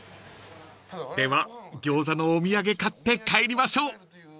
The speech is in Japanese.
［ではギョーザのお土産買って帰りましょう］